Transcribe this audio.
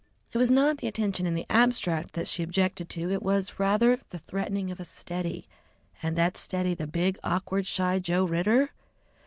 It was not attention in the abstract that she objected to, it was rather the threatening of "a steady," and that steady, the big, awkward, shy Joe Ridder.